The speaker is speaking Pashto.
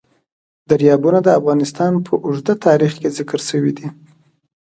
دریابونه د افغانستان په اوږده تاریخ کې ذکر شوی دی.